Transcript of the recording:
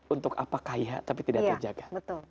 untuk apa kaya tapi tidak terjaga